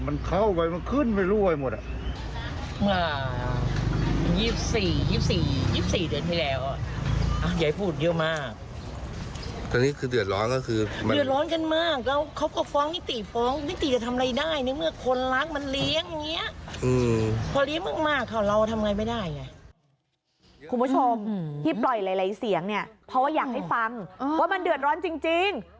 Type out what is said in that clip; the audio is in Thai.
เพราะว่าอยากให้ฟังว่ามันเดือดร้อนจริง